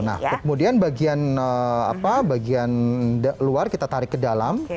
nah kemudian bagian luar kita tarik ke dalam